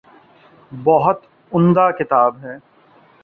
بہت عمدہ کتاب ہے۔